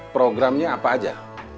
programnya apa aja